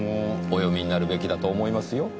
お読みになるべきだと思いますよ。